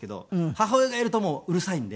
母親がいるとうるさいんで。